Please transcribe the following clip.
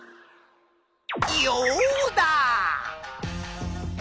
ヨウダ！